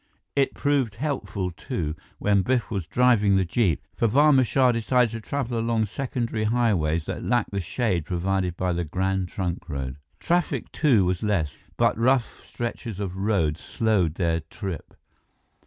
It proved helpful, too, when Biff was driving the jeep, for Barma Shah decided to travel along secondary highways that lacked the shade provided by the Grand Trunk Road. Traffic, too, was less, but rough stretches of road slowed their trip.